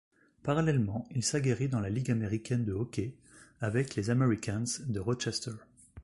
Parallèlement, il s'aguerrit dans la Ligue américaine de hockey avec les Americans de Rochester.